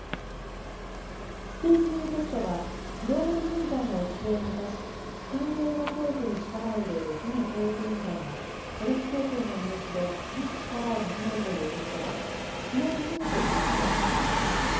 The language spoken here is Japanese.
スピーキングテストは、グローバル人材の育成を目指し、使える英語教育に力を入れる都の教育委員会が、都立高校の入試で話す力をはかろうというテストで、きのう初めて実施されました。